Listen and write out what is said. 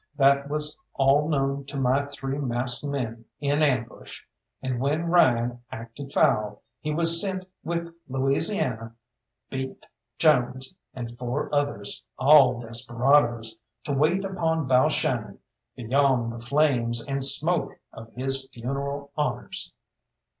That was all known to my three masked men in ambush, and when Ryan acted foul he was sent with Louisiana, Beef Jones, and four others, all desperadoes, to wait upon Balshannon beyond the flames and smoke of his funeral honours.